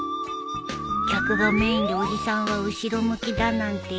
客がメインでおじさんは後ろ向きだなんて言えない